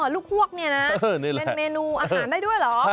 พวกฮวกเนี่ยนะเป็นเมนูอาหารได้ด้วยเหรอ